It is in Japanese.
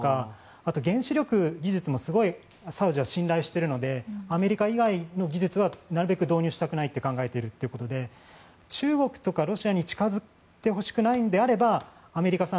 あと原子力技術もサウジはすごく信頼しているのでアメリカ以外の技術はなるべく導入したくないと考えているということで中国とかロシアに近付いてほしくないのであればアメリカさん